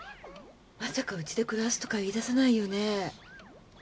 まさかうちで暮らすとか言いださないよね？